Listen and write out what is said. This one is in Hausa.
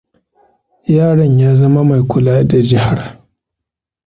Yaron ya zama mai kula da jihar.